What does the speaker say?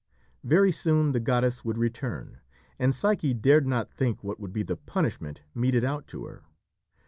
Very soon the goddess would return, and Psyche dared not think what would be the punishment meted out to her.